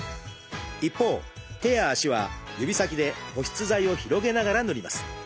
一方手や足は指先で保湿剤を広げながら塗ります。